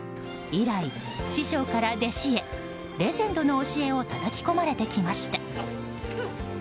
以来、師匠から弟子へレジェンドの教えをたたき込まれてきました。